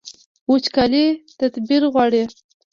وچکالي تدبیر غواړي